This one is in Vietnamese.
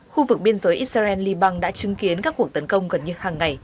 khu vực biên giới israel liban đã chứng kiến các cuộc tấn công gần như hàng ngày